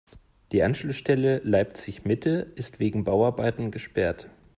Die Anschlussstelle Leipzig-Mitte ist wegen Bauarbeiten gesperrt.